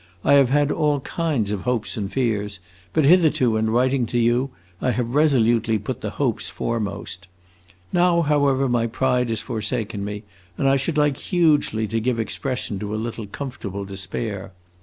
I have had all kinds of hopes and fears, but hitherto, in writing to you, I have resolutely put the hopes foremost. Now, however, my pride has forsaken me, and I should like hugely to give expression to a little comfortable despair.